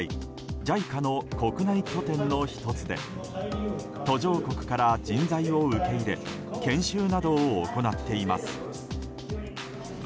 ＪＩＣＡの国内拠点の１つで途上国から人材を受け入れ研修などを行っています。